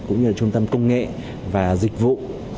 cũng như là trung tâm công nghệ và dịch vụ